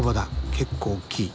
結構大きい。